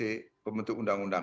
legal policy pembentuk undang undang